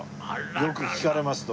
よく聞かれますと。